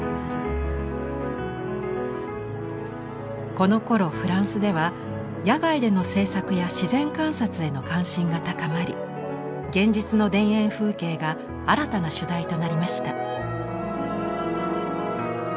このころフランスでは野外での制作や自然観察への関心が高まり現実の田園風景が新たな主題となりました。